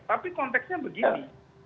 tapi konteksnya begini